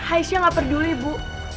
aisyah gak peduli ibu